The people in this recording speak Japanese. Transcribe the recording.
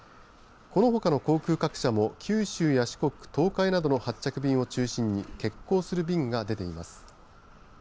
このほかの航空各社も九州や四国東海などの発着便を中心に欠航する便が出ています。